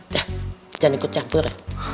dah jangan ikut campur